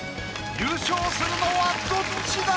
優勝するのはどっちだ